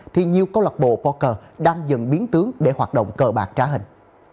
thì nhiều câu lạc bộ poker đang dần biến tướng để hoạt động cờ bạc trá hình